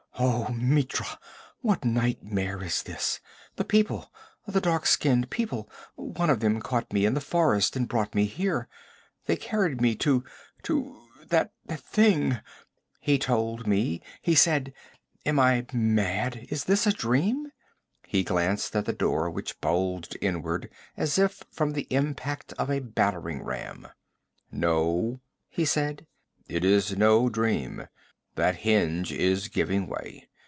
'Oh Mitra! what nightmare is this? The people the dark skinned people one of them caught me in the forest and brought me here. They carried me to to that that thing. He told me he said am I mad? Is this a dream?' He glanced at the door which bulged inward as if from the impact of a battering ram. 'No,' he said, 'it's no dream. That hinge is giving way.